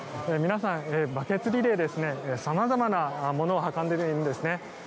皆さん、バケツリレーで様々なものを運んでいるんですね。